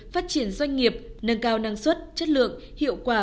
phát triển doanh nghiệp nâng cao năng suất chất lượng hiệu quả